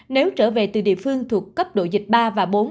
nếu trở về từ địa phương thuộc cấp độ dịch ba và bốn